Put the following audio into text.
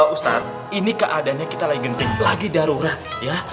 ustaz ini keadaannya kita lagi gendeng lagi darurah ya